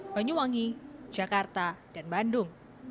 banyuwangi jakarta dan bandung